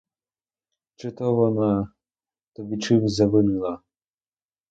Чи то вона тобі чим завинила?